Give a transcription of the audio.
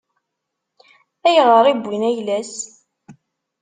Ayɣer i wwin ayla-s?